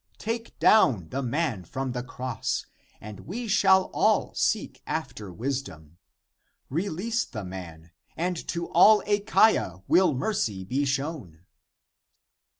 Take down the man from the cross, (p. 29) and we shall all seek after wisdom. Release the man, and to all Achaia will mercy be shown."